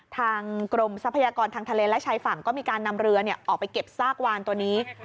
ทางกรมทรัพยากรทางทะเลและชายฝั่งก็มีการนำเรือออกไปเก็บซากวานตัวนี้